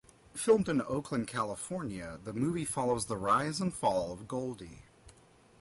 Filmed in Oakland, California the movie follows the rise and fall of Goldie.